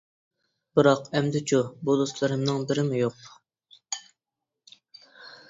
بىراق ئەمدىچۇ؟ بۇ دوستلىرىمنىڭ بىرىمۇ يوق.